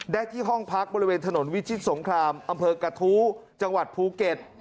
ได้ที่ห้องพักบริเวณถนนวิชิตสงครามอำเภอกระทู้จังหวัดภูเก็ต